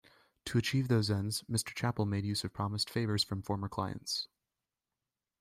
To achieve those ends, Mr. Chapel made use of promised favors from former clients.